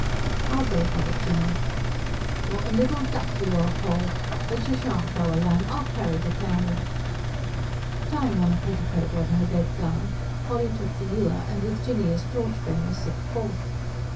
"I'll go for it, Jinny." "What a little duck you are, Poll! But you shan't go alone. I'll carry the candle." Tying on a petticoat over her bedgown, Polly took the ewer, and with Jinny as torch bearer set forth.